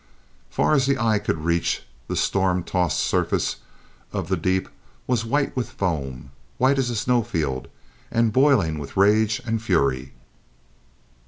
Far as the eye could reach, the storm tossed surface of the deep was white with foam, white as a snowfield, and boiling with rage and fury.